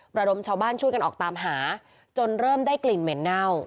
ระดมชาวบ้านช่วยกันออกตามหาจนเริ่มได้กลิ่นเหม็นเน่า